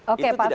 oke pak firman